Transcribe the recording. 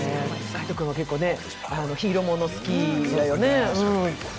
海音君は結構ヒーローもの好きだよね。